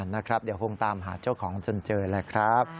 นะครับเดี๋ยวคงตามหาเจ้าของจนเจอแหละครับ